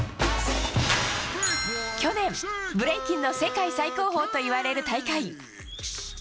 去年、ブレイキンの世界最高峰といわれる大会。